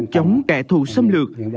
chống kẻ thù xâm lược